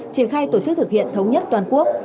triển khai tổ chức thực hiện thống nhất toàn quốc